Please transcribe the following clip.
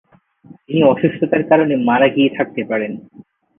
তিনি অসুস্থতার কারণে মারা গিয়ে থাকতে পারেন।